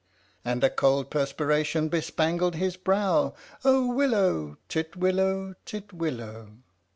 " And a cold perspiration bespangled his brow, " Oh willow, titwillow, titwillow!